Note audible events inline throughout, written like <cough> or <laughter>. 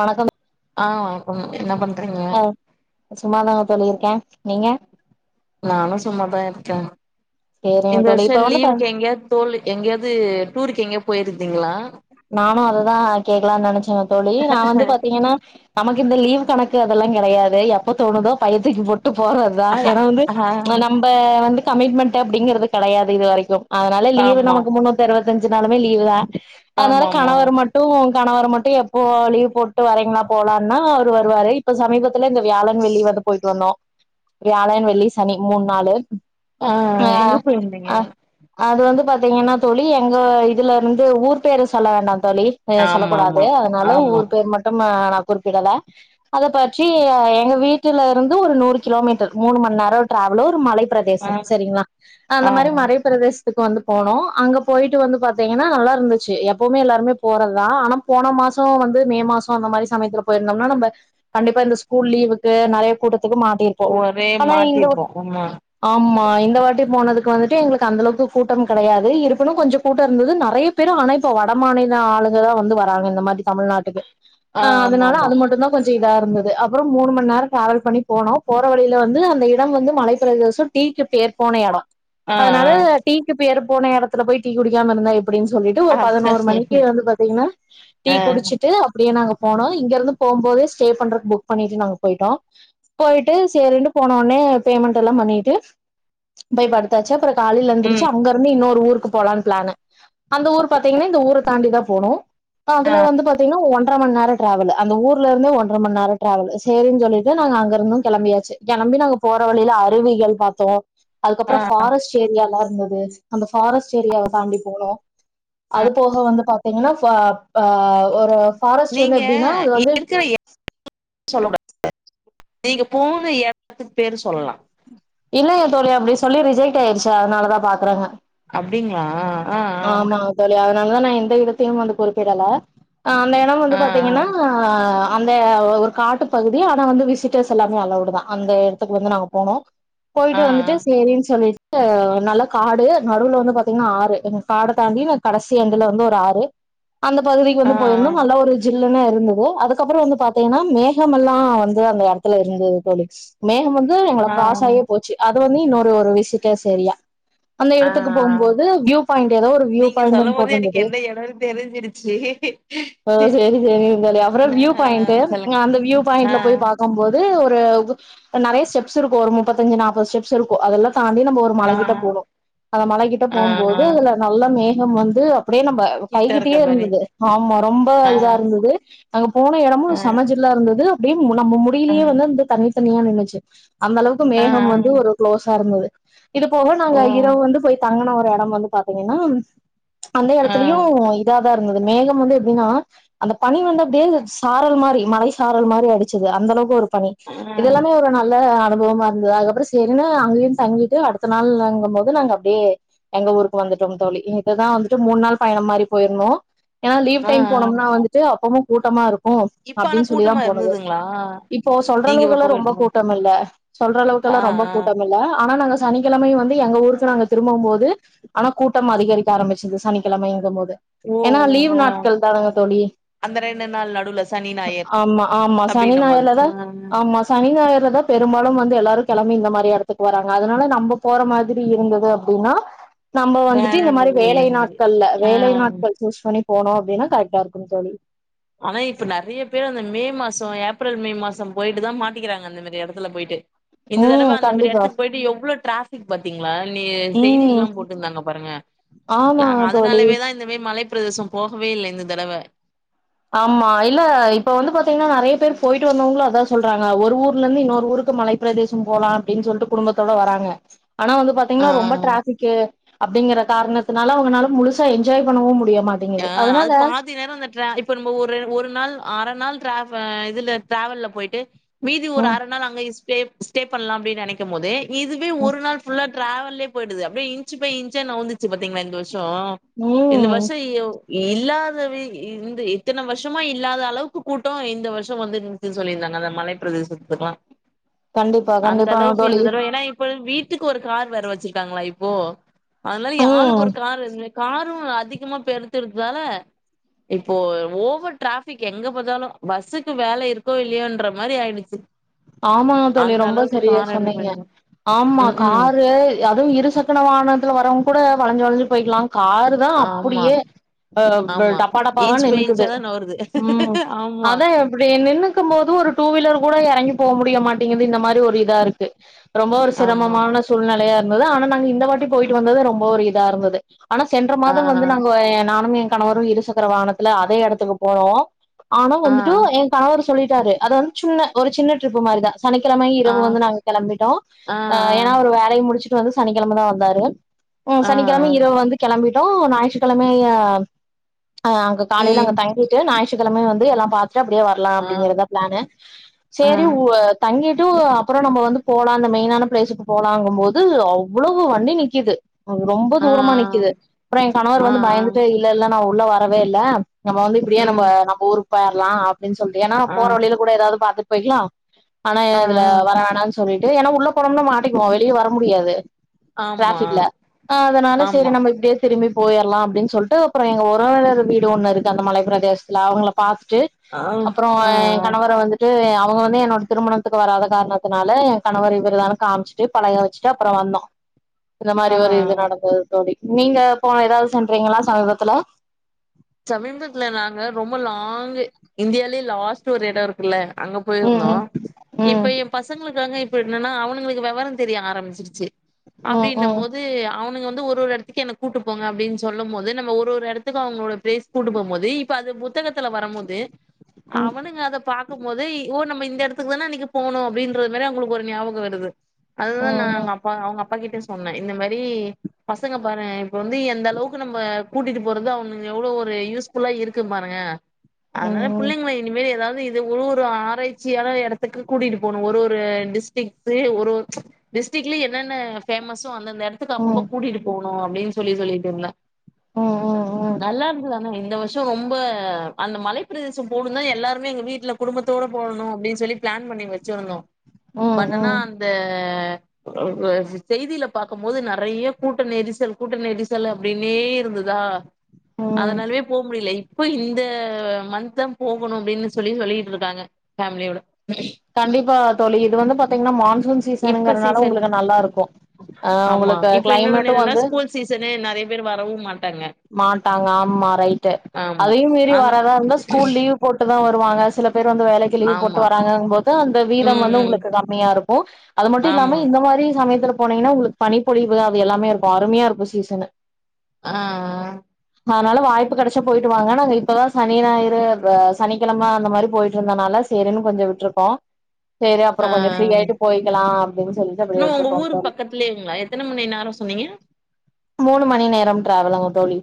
வணக்கம் ஆஹ் வணக்கம் என்ன பண்றீங்க கேன் நீங்க நானும் சும்மாதான் இருக்கேன் சேரிங்க இந்த தோழி இப்ப வருஷம் வந்து ப லீவுக்கு எங்கியாது தோல் எங்கியாது டூருக்கு எங்கயோ போயிருந்தீங்களா நானும் அததான் கேக்கலாம்னு நினைச்சேன் தோழி நான் வந்து பாத்தீங்கன்னா நமக்கு இந்த லீவ் கணக்கு எல்லாம் கிடையாது எப்ப தோணுதோ பையதூக்கி போட் போறதுதான் ஏன்னா வந்து ஆ நம்ம வந்து கமிட்மெண்ட் அப்படிங்கறது கிடையாது இது வரைக்கும் அதுனால லீவு ஆமா நமக்கு முன்னூத்தருவ அஞ்சு நாளுமே லீவு தான் அதுனால ஆமா ஆமா கணவர் மட்டும் கணவர் மட்டும் எப்போ லீவ் போட்டு வரீங்களா போலாம்னா வருவாரு இப்ப சமீபத் துல இந்த வியாழன் வெள்ளி வந்து போய்ட்டு வந்தோ வியாழன் வெள்ளி சனி மூண் நாலு ஆ எங்க போயிருந்தீங்க எங்கன்னா தோழி எங்க இதுல இருந்து ஊர் பேரு சொல்ல வேண்டாந் தோழி சொல்ல ஆமா கூடாது ஆமா அதுனால ஆமா ஊர் பேர் மட்டும் அ நா குறிப்பிடல அத பற்றி எங்க வீட்டில இருந்து ஒரு நூறு கிலோமீட்டர் மூணு மண் நேரொ ட்ராவலு ஒரு மலை ஆ பிரதேசம் செரிங்களா அந்த ஆ மாரி மறை பிரதேச இதுக்கு வந்து போனோ அங்க போயிட்டு வந்து பாத்தீங்கனா நல்லா இருந்து ச்சு எப்பவ்மே எல்லாருமே போறதுதா ஆன போன மாசொ வந்து மே மாசொ அந்த மாரி சமயத்ததுல போயிர்ந்தம்னா நம்ப கண்டிப்பா இந்த ஸ்கூல் லீவுக்கு நெறைய கூட்டத் துக்கு மாட்டியிருப்போ ஒரே ஆனா இந்த மாட்டிருப்போ ஆமா ஆமா ஆ இந்த வாட்டி போனதுக்கு வந்துட்டு எங்களுக்கு அந்த அளவுக்கு கூட்டம் கெடையாது இருப்பினு கொஞ்சொ கூட்டொ இருந்தது நெறைய பெரு ஆனா இப்ப வட மாநில ஆளுகதா வந்து வராங்க இந்த மாரி தமிழ்நாட்டுக்கு ஆ ஆமா அதுனால ஆமா அது மட்டுதா கொஞ் ச இதா இருந்தது அப்புறம் மூணு மணி நேர ட்ராவல் பண்ணி போனோ போற வழில வந்து அந்த இடம் வந்து மலைப்பிரதேச டீக்கு பேர் போன எடம் ஆ அதுனால ஆ டீக்கு பேர் போன எடத்துல போன டீ குடிக்காம இருந்தா எப்புடின் சொல்லிட்டு ஒரு அத பதினோரு மணிக்கு வந்து பாத்தீங்கனா ஆ டீ குடிச்சிட்டு அப்டியே நாங்க போனோ இங்கெருந்து போம் போதே ஸ்டே பண்றக்கு புக் பண்ணிட்டு நாங்க போயிட்டோ போயிட்டு சேரின்டு போன ஒன்னே பேமெண்ட் எல்லா பண்ணிட்டு போய் படுத்தாச்சு அப்புற காலில எந்திரிச்சு ம் அங்கருந்து இன்னோ ரு ஊருக்கு போலான் ப்ளானு அந்த ஊர் பாத்தீங்கனா இந்த ஊர தாண்டிதா போனு த ஆ அதுல வந்து பாத்தீங்னா ஒன் ன்ற‌ மண் நேர ட்ராவல் அந்த ஊர்லருந்து ஒன்றர மன் நேர ட்ராவல் சேரின் சொல்லிட்டு நாங்க அங்கருந்து கெளம்பியாச்சு கெளம்பி நாங்க போற வழில அருவிகள் பாத்தோ ஆ அதுக்கப்றொ ஃபாரஸ்ட் ஏரியால ந்தது அந்த ஃபாரஸ்ட் ஏரியாவ தாண்டி போனு அது போக வந்து பாத்தீங்கனா ஃப ஆ ஒரு ஃபாரஸ்ட் வந்து நீங்க எப்டின்னா அது வந்து இருக்கிற எடோ சொல்லக்கூடாது நீங்க போன எடத்து பேரு சொல்லலா இல்லெங்க தோழி அப்டி சொல்லி ரிஜெக்ட் ஆயிடுச்சு அதுனால தா பாக்குறேங்க அப்படிங்களா ஆமா தோழி அதான் நான் எந்த இடத்தையும் வந்து குறிப்பிடல அந்த எடம் வந்து ஆ பாத்தீங்கன்னா அந்த ஒரு காட்டு பகுதி ஆனா வந்து விசிட்டர்ஸ் எல்லாமே அளவுடு தான் அந்த எடத்துக்கு வந்து நாங்க போனோம் ஆ போயிட்டு வந்துட்டு செரின்னு சொல்லி நல்லா காடு நடுவுல வந்து பாத்தீங்கன்னா ஆறு என்ன காட தாண்டி கடைசி அந்துல வந்து ஒரு ஆறு அந்த பகுதிக்கு ஆ ஆ வந்து போயிருந்தோம் நல்ல ஒரு சில்லுனு இருந்தது அதுக்கப்புறம் வந்து பாத்தீங்கன்னா மேகம் எல்லாம் வந்து அந்த எடத்துல இருந்தது தோழி மேகம் வந்து மேகம் வந்து ஆ எங்கலகிராஸ் ஆகி ஆ போச்சு அது வந்து இன்னொரு ஒரு விசிட்டர்ஸ் ஏரியா அந்த ஆ இடத்துக்கு போகும்போது வியூ வியு பாய்ன்ட் ஏதோ ஒரு நீங்க சொல்லும் வியுபாய்ன்ட் போதே எனக்கு போட்டிருந்தது எந்த எடோன்னு தெரிஞ்சிருச்சு செரி செரி தோழி அப்புறம் ஆ சொல்லுங்க அந்த வியுபாய்ன்ட் ஆ ல போய் பாக்கும் போது ஒரு நெறைய ஸ்டெப்ஸ் இருக்கும் ஒரு முப்பத்தஞ்சு நாற்பது ஸ்டெப்ஸ் இருக்கும் அதெல்லாம் தாண்டி நம்ம ஒரு ஆ மலகிட்ட போனும் அந்த மலகிட்ட ஆ ஆ போகும்போது இ இதுல நல்லாமே லாம் வந்து அப்படியே நம்ம கிட்ட இருக்க கைகிட்டயே மாரி இருந்தது ஆமா ரொம்ப ஆ இதா இருந்தது அங்க போன எடமும் ஆ சம ஜில்லா இருந்தது அப்டியே நம்ம ஆ முடியிலே வந்து இந்த தண்ணி தனியா நின்னுச்சு அந்த அளவுக்கு ஆ மேகம் வந்து ஆ. ஒரு குளோஸ் தார் நூறு இது போக ஓ நாங்க இரவு வந்து போய் தங்கன ஒரு எடம் வந்து பாத்தீங்கன்னா அந்த ஆ எடத்துலயும் இதா இருந்தது மேகம் வந்து எப்படின்னா அந்த பனி வந்து அப்படியே சாரல் மாரி மலை சாரல் மாரி அடிச்சது அந்த அளவுக்கு ஒரு ப்ப ஆ இதெல்லாமே ஒரு நல்ல அனுபவமா இருந்தது அதுக்கப்புறம் செரின்னு அங்கேயும் தங்கிட்டு அடுத்த நாள் வாங்கும் போது நாங்க அப்படியே எங்க ஊருக்கு வந்துட்டோம் தோழி இதுதான் வந்துட்டு மூணு நாள் பயணம் மாரி போயிருந்தோம் ஏன்னா லீவ் ஆ டைம் போனோம்னா வந்துட்டு அப்பமும் கூட்டமா இருக் ஓ இப்ப ஆனா அப்படின்னு கூட்டமா சொல்லிதான் போனது இருந்ததுங்களா இப்போ சொல்ற நீங்க எப்ப அளவுக்கெல்லாம் ரொம்ப போயிருக்கும்போது கூட்டம் இல்ல சொல்ற ஆ அளவுக்கெல்லாம் ரொம்ப ஆ கூட்டம் இல்ல ஆனா நாங் சனிக்கிழமயும் வந்து எங்க ஊருக்கு நாங்க திரும்போம் போது ஆனா கூட்டம் அதிகரிக்க ஆரம்பிச்சது சனிக்கிழமைங்க போது ஓ ஏன்னா லீவ ஓ நாட்கள் தான்ங்க தோழி அந்த ரெண்டு நாள் நடுவுல சனி ஞாயர் ஆமா ஆமா அப்டின்னும் போது சனிநாயர் தான் ஆ ஆமா சனிநாயர்ல தான் பெரும்பாலும் வந்து எல்லாரும் கிளம்பி இந்த மாதிரி இடத்துக்கு வராங்க அதனால நம்ம போற மாதிரி இருந்தது அப்படின்னா நம்ம வந்துட்டு இந்த மாதிரி வேலை நாட்கள்ல ஆ வேலை ஆ நாட்கள் சூஸ் பண்ணி போனும் அப்படின்னா கரெக்டா இருக்குன்னு தோழி ஆனா இப்ப நெறைய பேர் அந்த மே மாசம் சோ ஏப்ரல் மே மாசம் போயிட்டு தான் மாட்டிக்கிறாங்க அந்த மாரி இடத்துல போயிட்டு இந்த ம் தடவை அந்தமாரி கண்டிப்பா இடத்துக்குபோயிட்டு எவ்ளோ டாராப் பாத்தீங் நீ ம் செய்தியெல்லாம் போட்டுருந்தாங்க பாருங்க ஆமா நாங்க தோழி அதனாலவேதான் இந்த மாரி மழ பிரதேசம் போகவே இல்லை இந்த தடவை ஆமா இல்ல இப்ப வந்து பாத்தீங்கன்னா நெறைய பேர் போயிட்டு வந்தவங்களோ அதான் சொல்றாங்க ஒரு ஊர்ல இருந்து இன்னொரு ஊருக்கு மலைப்ப பிரதேசம் போலாம் அப்படின்னு சொல்லிட்டு குடும்பத்தோட வராங்க ஆனா வந்து பாத்தீங்கின்னா ரொம்ப ஆ டிராபிக்கு அப்பிடிங்கற காரணத்தினால அவுங்களால முழுசா என்ஜாய் பண்ணவும் முடியா ஆஹ் அது பாதி நேர இந்த ட்ர இப்ப ந ஒரு ஒரு நாள் அர நாள் டிர இதுல டிராவல்ல போயிட்டு மீதி ஒரு ம் அறு நாள் அங்க யூஸ் ஸே ஸ்டே பண்ணலா அப்பிடின்னு நெனைக்கும் போதே இதுவே ஒரு நாள் புல்லா டிரவல்லே போயிடுது அப்பிடிய இன்ச் ப இன்ச நவுந்துச்சு பாத்தீங்களா இந்த வரு வரும் இந்த ம் வருஷோ இல்லாதவி இந்த இத்தன வருஷமா இல்லாத அளவுக்கு கூட்ட இந்த வருஷ வந்து சொல்லியிருந்தாங்க அந்த மலை பிரதேசத்துக்கு கண்டிப்பா கண்டிப்பாங்க தோழி தடவ ஏன்னா இப்ப வீட்டுக்கு ஒரு கார் வேற வச்சிருக்காங்களா இப்போ அதனால யாளுக்கு ம் ஒரு கார் இருந்து காரு அதிகமா இப்ப எடுத்துடத்ததானே இப்போ ஓவர் ரடாபிக் எங்க பாத்தாலு பஸ்ஸுக்கு வேலை இருக்கோ இல்லையோன்ற மாரி ஆயிடுச்சு ஆமா தோழி அந்த ஆமா. ரொம்ப அளவுக்கு சரிய கார சொன்னீங்க எடுப்பாங்க. ஆமா ம். காரு அதுவு இரு சக்கண வாகனத்துல வரவங்க கூட வள இங்கு வந்து போயிக்கலாம் காரு தா ஆமா, அப்புடியே ஆமா. டப்பா டப்பாவா இன்ச் பை நின்னுக்குது இன்ச்சா தான் நவுருது. உம் ஆமா, அதா இப்படி நின்னுக்கு போது ஒரு டூ வீலர் கூட இறங்கி போக முடிய மாட்டேங்குது இந்த மாரி ஒரு இதா இருக்கு ரொம்ப ஒரு ஆமா. சிரமமான சூழ்நிலையா இரு இவுங்கல்லா ஆனா நாங்க இந்த வாட்டி போயிட்டு வந்தது ரொம்ப ஒரு இதா இருந்தது ஆனா சென்ற ஆ, மாத வந்து நாங்கோ நானுமே கணவரு இருசக்கர வாகனத்துல அதே எடத்துக்கு போனோ ஆனா ஆ, வந்துட்டு என் கணவர் சொல்லிட்டாரு அதாது சின்ன ஒரு சின்ன ட்ரிப்பு மாரிதா சனிக்கிழமை ஆ, இரவு வந்து நாங்க கிளம்பிட்டோ ஆ, ஆ, ஆஹ் ஏன்னா ஒரு வேலயு முடிச்சு ட்டு வந்து சனிக்கிலம தா வந்தாரு உம் ஆ, ஆ. சனிக்கிழம இரவு வந்து கிளம்பி ட்டோ ஞாயிற்றுக்கிழமையா ஆஹ் அங்க காலைல அங்க ம். தங்கிட்டு ஞாயிற் றுக்கிழம வந்து எல்லா பாத் து அப்டியே வரலா ஆ, அப்டிங்கறதா பிளானு ஆ, புவர் தங்கிட்டு அப்புற நம்ம வந்து போலா அந்த மெயினான பிளேஸுக்கு போலாங்கும்போது அவ்ளோவு வண்டி நிக்குது ரொம்ப ஆ, தூரமா நிக்குது அப்புற எ கணவர் ஆ, ஆ, வந்து பயந்துட்டு இல்ல இல்ல நா உள்ள வரவே இல்ல நம்ம வந்து இப்டியே நம்ப ம். நம்ம ஊர் போயிற்லா அப்டின் சொல்ட்டு ஏன்னா ஆ, போற வலில கூட ஏதாவது பாத்துட் போய்க்லா ஆனா ஆ, இதுல ஆ. வர வேனான்னு சொல்லீடு டே ஏன்னா உள்ள போனும்னா மாட்டிக்குவோ வெளியே வர முடியாது ஆமா, ட்ராபிக்ல ஆஹ் அதனால செரி ஆமா. நம்ம இப்டியே திரும்பி போயிற்லா அப்டின் சொல்ட்டு அப்புற எங்க உறவினர் வீடு ஒண்ணு இருக்கு அந்த மலை பிரதேசத்துல அவுங்கள பாத் ட்டு ஆ, அப்புற ஆ, எ கணவரை வந்துட்டு அவுங்க வந்து என்னோட திருமணத்துக்கு வராத காரணத்தினால என் கணவர் இவர்தா காம்ச்சிட்டு பலக வச்சிட்டு அப்புற வந்தோ இந்த மாரி ஒரு இது ஆ. நடந்தது தோலி நீங்க போன ஏதாவது சென்றீங்களா சமீபத்துல சமீபத்துல நாங்க ரொம்ப லாங் இந்தியாலே லாஸ்ட் ஒரு எட இருக்குல்ல அங்க போயிருந்தோ ம் ம் இப்ப எ பசங்களுக்காங்க இப்ப என்னன்னா அவுனுங்க வெவர தெரிய ஆரம்பிச்சிருச்சு ம் ம் அப்டின்னும்போது அவு னுங்க வந்து ஒரு ஒரு எடத்துக்கே என்ன கூட்டு போங்க அப்டின் சொல்லும் போது நம்ம ஒரு ஒரு எடத்துக்கோ அவுங்ளோட பேஸ் கூட்டும் போம்போது இப்ப அது புத் புத்தகத்துல வரும்போது அவனுங்க அத பாக்கும் போது ஓ நம்ம இந்த இந்த இடத்துக்கு தானே அன்னைக்கு போணும் அப்டின்ற மாதிரி அங்களுக்கு ஒரு ஞாபகம் வருது அதுதான் நா ம் அப்பா அவுங்க அப் அப்பா கிட்ட சொன்னேன் இந்த மாரி பசங்க பாரு இப்ப வந்து எந்த அளவுக்கு நம்ம கூட்டிட்டு போறத அவனு எவ்ளோ ஒரு யூஸ்ஃபுல்லா இருக்கு பாருங்க அதனால ம் பிள்ளைங்களா இனிமேல் ஏதாது இது ஒரு ஒரு ஆராய்ச்சியான இடத்துக்கு கூட்டிட்டு போனும் ஒரு ஒரு டிஸ்டிக் ஒரு டிஸ்டிக்ல என்னென்ன ஃபேமஸோ அந்த இடத்துக்கு ம் அப்போ ம் கூட்டிட்டு போணும் அப்டின்னு சொல்லி சொல்லிட்டு இருந்தேன் உம் உம் நல்லா இருந்துதானா இந்த வருஷம் ம் ரொம்ப அந்த மலைப்ப பிரதேசம் போணும் தான் எல்லாருமே எங்க வீட்ல குடும்பத்தோட போகணும் அப்டின்னு சொல்லி பிளான் பண்ணி வச்சிருந்தோம் ம் பண்ணுனா ம் அந்த செய்தியில பாக்கும் போது நெறைய கூட்ட நெரிசல் கூட்ட நெரிசல் அப்டினே இருந்துதா ம் ம் அதனாலயே போக முடியலை இப்போ இந்த மந்த் தான் போகணும் அப்டின்னு சொல்லி சொல்லிட்டு இருக்காங்க ஃபேமிலியோட கண்டிப்பா தோழி இது வந்து பாத்தீங்கன்னா மான்சூன் இப்ப சீசனுங்கனால சீசன் உங்களுக்கு நல்லா இருக்கும் அஹ் ஆமா உங்களுக்கு இப்ப இன்னொன்னு கிளைமேட்டும் என்னன்னா வந்து ஸ்கூல் சீசனு <unintelligible> மாட்டாங்க மாட்டாங்க ஆமா ரைட்டு ஆமா அதையும் மீறி ஆமா வராதா இருந்தா ஸ்கூல் லீவ் போட்டுதான் வருவாங்க சில பேர் வந்து வேலைக்கு லீவ் போட்டு ஆமா வராங்க போது அந்த வீதம் ம் வந்து ம் உங்களுக்கு கம்மியா இருக்கும் அது மட்டும் இல்லாம ஆமா இந்த மாதிரி சமயத்தில போனீங்கன்னா உங்களுக்கு பணி பொழிவு அது எல்லாமே இருக்கும் அருமையா இருக்கும் சீசனு ஆஹ்ஹ் அதனால வாய்ப்பு கிடைச்சா போயிட்டு வாங்க நாங்க இப்பதான் சனி ஞாயிறு சனிக்கிழமை அந்த மாதிரி போயிட்டு இருந்தனால சேரின்னு கொஞ்சம் விட்டுருக்கோம் சரி அப்புறம் கொஞ்சம் ஃப்ரீயிட்டு போயிக்கலாம் என்ன உங்க ஊருக்கு பக்கத்துலேங்கா எத்தனை மணி நேரம் சொன்னீங்க மூணு மணி நேரம் டிராவலுங்க தோழி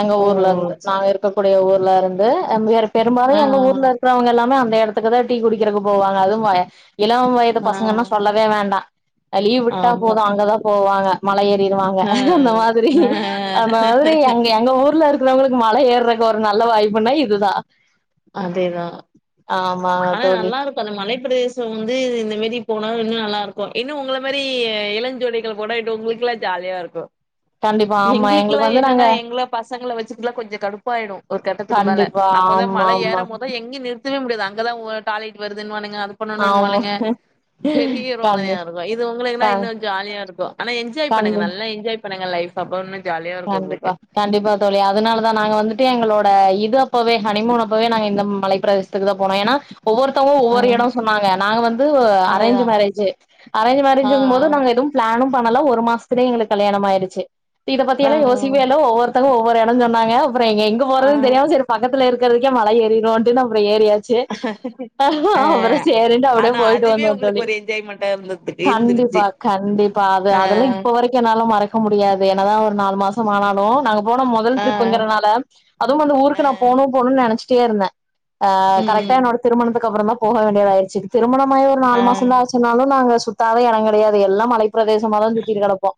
எங்க ஓ ஊர்ல இருந்து நாங்க இருக்க கூடிய ஊர்ல இருந்து <unintelligible> பெரும்பாலும் ஆ எங்க ஊர்ல இருக்கிறவங்க எல்லாமே அந்த இடம் த்துக்குான் டீ குடிக்கிறதுக்கு போவாங்க அதுவும் வய இளம் வயது ஆ பசங்கன்னா சொல்லவே வேண்டாம் லீவ் விட்டா ஆமா போதும் அங்கதான் போவாங்க மலை ஏறிருவா ஆ அந்த மாதிரி ஆ அந்த மாதிரி அங்க எங்க ஊர்ல இருக்கு இருவங்களுக்கு மழை ஏறுறாது ஒரு நல்ல வாய்ப்புனா இதுதான் அதேதான் ஆமாங்க ஆனா தோழி நல்லா இருக்கும் அந்தமழை பிரதேசம் வந்து இந்த மாரி போனா இன்னும் நல்லா இருக்கும் இன்னும் உங்கள மாரி இளஞ்சோடிகள் போனா உங்களுக்கு எல்லாம் ஜாலியா இருக்கும் கண்டிப்பா ஆமா எங்களுக்கு எங்களுக்குல்லாம் வந்து என்னன்னா நாங்க எங்க பசங்களை வச்சுக்கலாம் கொஞ்சம் கடுப்பாயிடும் ஒரு கட்டத்துக்கு மேல கண்டிப்பா அப்போதான் ஆமா மல ஏற ஆமா மோதா எங்கே நிறுத் வேடியாது அங்கதான் டாய்லெட் வருதுன்னு அது பண்ணும்ங்க ஆமா இன்னுவாலுங்க பெரிய கண்டி ரோதனையா இருக்கும் இது உங்களுக்கு இன்னும் ஜாலியா இருக்கும் ஆனா என்ஜாய் பண்ணுங்க கண்டி நல்ல என்ஜாய் பண்ணுங்க லைப் சபோனு கண்டிப்பா கண்டிப்பா தோழியா அதனால தான் நாங்க வந்துட்டு எங்களோட இது அப்பவே ஹனிமூன் அப்பவே நாங்க இந்த மலைப்ப பிரதேசத்துக்கு தான் போனோம் ஏன்னா ஒவ்வொருத்தவங்க ஆ ஒவ்வொரு இடம் சொன்னாங்க நாங்க வந்து அரேஞ்ச் அதேதா மேரேஜ் அரேஞ்ச் ஆ மேரேஜ் எங்க போதும் நாங்க ஏதும் பிளானும் பண்ணலாம் ஒரு மாசத்துலயே எங்களுக்கு கல்யாணம் ஆயிடுச்சு ஆ யோசிக்கவே இல்ல ஒவ்வரு ஒவ்வொரு எடோ சொன்னாங்க எங்க எங்க ஆ ஆ போறது தெரியாம செரி பக்கத்துல இருக்கு இருக்குறதுகே மல ஏறிருவோம் அப்டின் தா ஏரியாச்சு ஆ சேரின்ட்டு அ ஆனா போயிட்டு அதுவே வந்தோம் உங்களுக்கு தோழி ஒரு என்ஜாய்மெண்டா இருந்ததுக்கு இருந்துருச்சு. கண்டிப்பா கண்டிப்பா அது ஆ அதெல்லாம் இப்ப வரைக்கும் என்னால மறக்க முடியாது என்னதா ஒரு நாலு மாசம் ஆனாலும் நாங்க போன முதல் ஆ ட்ரிப்ங்கிறனால அதுவும் வந்த ஆ ஊருக்கு நான் போனும் போனும்னு நெனைச்சே ச்சிட்டேர்ந்த ஆஹ ம் கரெக்டா ம் என்னோட திருமணத்துக் அப்புறமா போக வேண்டியதாயிருச்சு திருமணம் மாயி ஒரு ஆ நாலு மாசம் தான் ஆச்சுனாலும் நாங்க சுத்தாத எடம் கெடையாது எல்லாம் மலை மல பிரதேசமா தான் வந்து சுத்தீட்டு கடப்போம்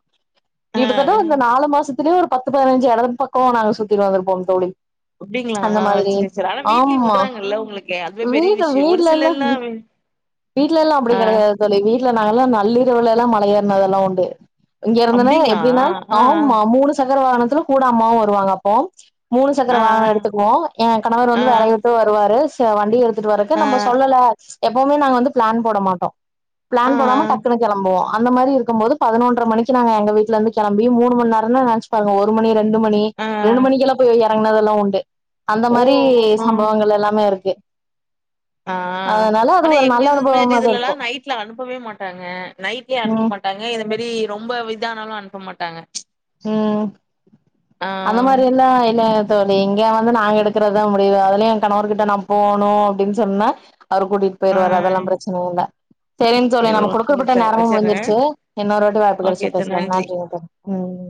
ஆ ஆ கிட்டத்தட்ட வந்து மாசத்துலயே ஒருபத்து பதிஞ்சு இடத்து பக்கம் நாங்க சுத்திட்டுந்திருப்போங்தோழி அப்டிங்களா அந்த மாதிரி சரி சரி ஆனா வீட்லயு ஆமா விடுறாங்கல்ல உங்களுக்கு அதுவே பெரிய வீட்டு விஷயோ ஒரு வீட்டுல எல்லாம் சிலர்லா வீட்டுல எல்லாம் அப்படி ஆ கெடையாது சொல்லி வீட்டுல நாங்க எல்லாம் நள்ளிரவுல எல்லாம் கல்யாண அதல்லா உண்டு இங்க இருந்தனே அப்டிங்களா எப்படின்னா ஆ ஆமா மூணு ச கர வாகனத்துல கூட அம்மாவு வருவாங்க அப்போ மூணு சக்கர ஆ ஆ வாகன எடுத்துக்குவோ ஏ கணவர் ஆ வந்து வேலைய விட்டு வருவாரு த வண்டி எடுத் துட்டுவரக்கு ஆ நம்ப சொல்லல எப்பவுமே நாங்க வந்து ப்ளான் போட மாட்டோ ஆ ப்ளான் போடாம டக்குனு கெளம்புவோ அந்த மாரி இருக்கம்போது பதினொன்ர மணிக்கு நாங்க எங்க வீட்லெந்து கெளம் பி மூணு மண்நே ரன்னா நெனச்சு பாருங்க ஒரு மணி ரெண்டு மணி ஆ ஆ ரெண்டு மணிெக்கெல்லா போய் பண்ணதல்லா உண்டு அந்த ஓ மாரி ஆ சம்பவங்கள் எல்லாமேருக் க்கு ஆ ஆனா எங்க இது மாரி அனுபவமாதா இதுலல்லா இருக்கு நைட்ல அனுப்பவே மாட்டாங்க நைட்லயே அனுப்ப ம் மாட்டாங்க எத து மரி ரொம்ப இதானாலு அனுப்ப மாட்டாங்க உம் ஆ அந்த மாரில்லா இல்ல தோழி இங்க வந்து நாங்க எடுக்குறதா முடிவு அதுலயு என் கணவர்கிட்ட நா போனு அப்டின் சொன்னா அவர் கூட்டிட்டு ஆ போயிருவார் அதெல்லா பிரச்சன இல்ல செரிங் தோழி நம்ம ஓகேங்க குடுக்கப்பட்ட சார் நேரமும் வச்சறே முடிஞ்சிருச்சு இன்னொரு வாட்டி வாய்ப்பு ஓகே கெடைச்சா சார் பேசலா நன்றி நன்றிங்க‌ தோழி ஆ ம்